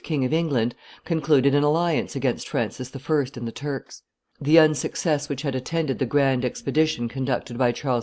King of England, concluded an alliance against Francis I. and the Turks. The unsuccess which had attended the grand expedition conducted by Charles V.